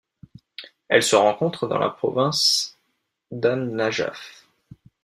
Elle se rencontre dans la province d'An-Najaf.